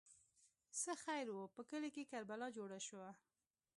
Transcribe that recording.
ـ څه خیر وو، په کلي کې کربلا جوړه شوه.